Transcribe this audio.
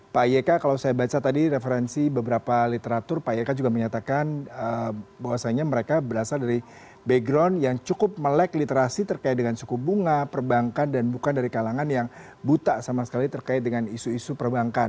pak yeka kalau saya baca tadi referensi beberapa literatur pak yeka juga menyatakan bahwasannya mereka berasal dari background yang cukup melek literasi terkait dengan suku bunga perbankan dan bukan dari kalangan yang buta sama sekali terkait dengan isu isu perbankan